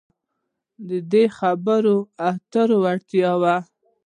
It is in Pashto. -د خبرو اترو وړتیاوې